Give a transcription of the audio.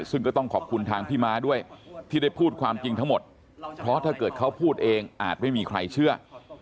ซึ่งก็ต้องขอบคุณทางพี่ม้าด้วยที่ได้พูดความจริงทั้งหมดเพราะถ้าเกิดเขาพูดเองอาจไม่มีใครเชื่อ